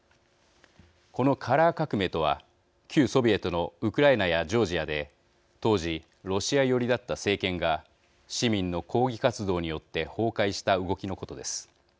このカラー革命とは旧ソビエトのウクライナやジョージアで当時、ロシア寄りだった政権が市民の抗議活動によって崩壊した動きのことです。